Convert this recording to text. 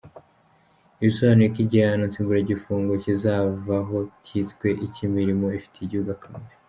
Ibi bisobanuye ko igihano nsimburagifungo kizavaho cyitwe icy’imirimo ifitiye igihugu akamaro.